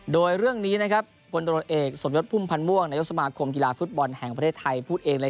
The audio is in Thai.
โดยเรื่องนี้นะครับพลตรวจเอกสมยศพุ่มพันธ์ม่วงนายกสมาคมกีฬาฟุตบอลแห่งประเทศไทยพูดเองเลย